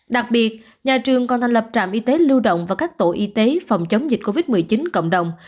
đặc biệt nhà trường còn thành lập trạm y tế lưu động và các tổ y tế phòng chống dịch covid một mươi chín cộng đồng